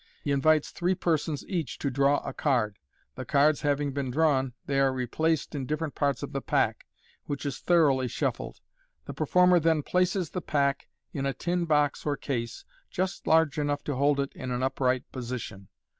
He invites three persons each to draw a card. The cards having been drawn, they are replaced in different parts of the pack, which is thoroughly shuffled. The performer then places the pack in a tin box or case, just large enough to hold it in an upright position.